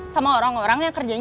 sama orang orang yang kerjanya